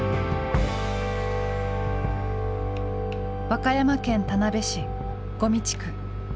和歌山県田辺市五味地区。